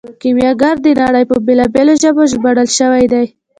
کیمیاګر د نړۍ په بیلابیلو ژبو ژباړل شوی دی.